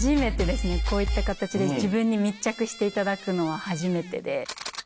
こういった形で自分に密着していただくのは初めてで。